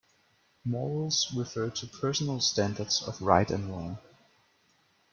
Morals refer to personal standards of right and wrong.